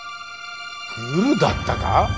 グルだったか！？